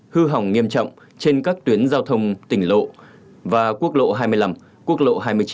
hư hỏng nghiêm trọng trên các tuyến giao thông tỉnh lộ và quốc lộ hai mươi năm quốc lộ hai mươi chín